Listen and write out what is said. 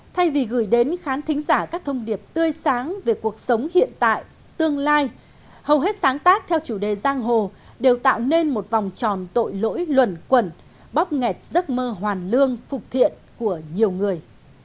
thay vì gửi đến khán thính giả các thông điệp tươi sáng về cuộc sống hiện tại tương lai hầu hết sáng tác theo chủ đề giang hồ đều tạo nên một vòng tròn tội lỗi luẩn quẩn bóp nghẹt giấc mơ hoàn lương phục thiện của nhiều người